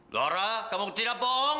laura kamu tidak bohong